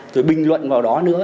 rồi bình luận vào đó nữa